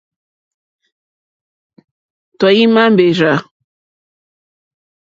Tɔ̀ímá mbèrzà.